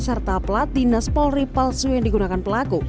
serta plat dinas polri palsu yang digunakan pelaku